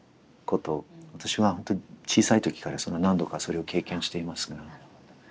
私は本当に小さい時から何度かそれを経験していますが。